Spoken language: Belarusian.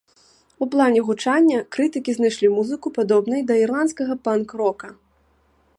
У плане гучання крытыкі знайшлі музыку падобнай да ірландскага панк-рока.